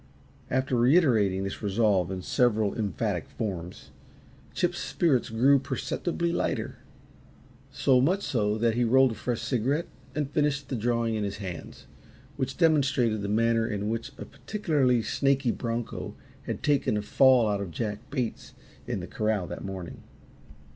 After reiterating this resolve in several emphatic forms, Chip's spirits grew perceptibly lighter so much so that he rolled a fresh cigarette and finished the drawing in his hands, which demonstrated the manner in which a particularly snaky broncho had taken a fall out of Jack Bates in the corral that morning.